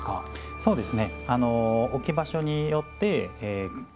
そうですね。